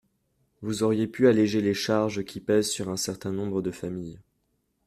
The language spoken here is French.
Vous auriez pu alléger les charges qui pèsent sur un certain nombre de familles.